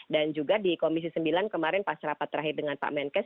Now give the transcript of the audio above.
dan juga di komisi sembilan kemarin pas rapat terakhir dengan pak menkes